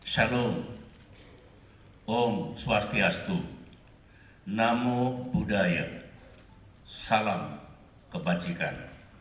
shalom om swastiastu namo buddhaya salam kebajikan